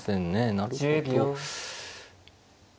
なるほど。